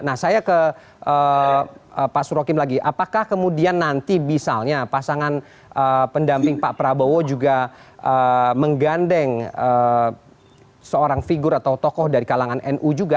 nah saya ke pak surokim lagi apakah kemudian nanti misalnya pasangan pendamping pak prabowo juga menggandeng seorang figur atau tokoh dari kalangan nu juga